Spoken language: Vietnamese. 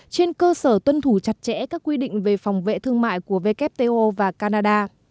trên cơ sở tuân thủ chặt chẽ các quy định về phòng vệ thương mại của wto và canada